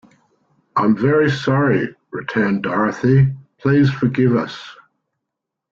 "I'm very sorry," returned Dorothy; "please forgive us."